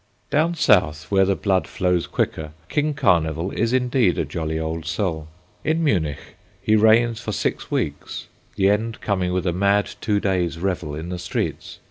Down South, where the blood flows quicker, King Carnival is, indeed, a jolly old soul. In Munich he reigns for six weeks, the end coming with a mad two days revel in the streets.